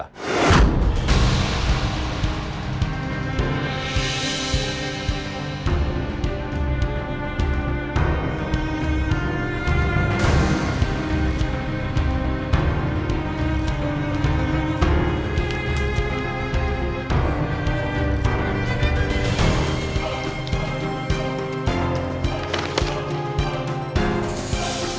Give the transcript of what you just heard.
yang dianggap sebagai pembicaraan